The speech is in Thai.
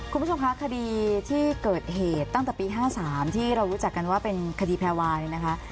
คุณผู้ชมคะคดีที่เกิดเหตุตั้งแต่ปี๕๓ที่เรารู้จักกันว่าเป็นคดีแพรวาเนี่ยนะคะ